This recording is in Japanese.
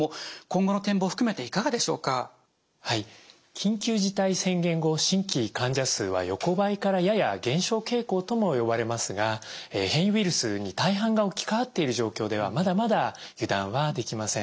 緊急事態宣言後新規患者数は横ばいからやや減少傾向とも呼ばれますが変異ウイルスに大半が置き換わっている状況ではまだまだ油断はできません。